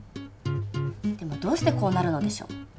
でもどうしてこうなるのでしょう？